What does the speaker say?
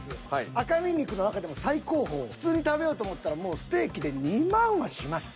赤身肉の中でも最高峰普通に食べようと思ったらもうステーキで２万はします。